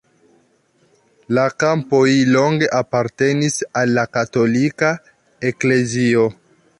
La kampoj longe apartenis al la katolika eklezio.